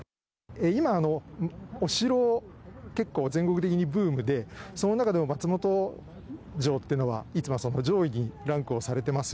今、お城結構、全国的にブームでその中でも、松本城というのはいつも上位にランクされています。